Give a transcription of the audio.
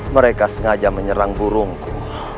mereka sengaja menyerang burungku